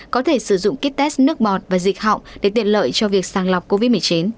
có thể sử dụng kites nước bọt và dịch họng để tiện lợi cho việc sàng lọc covid một mươi chín